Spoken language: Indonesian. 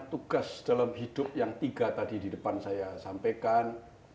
tugas dalam hidup yang tiga tadi di depan saya sampaikan